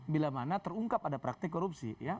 bila mana terungkap ada praktik korupsi